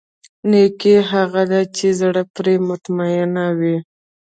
نېکي هغه ده چې زړه پرې مطمئن وي.